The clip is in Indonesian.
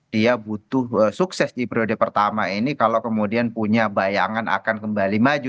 dia butuh sukses di periode pertama ini kalau kemudian punya bayangan akan kembali maju